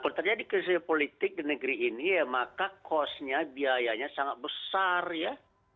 kalau terjadi krisis politik di negeri ini ya maka cost nya biayanya sangat besar ya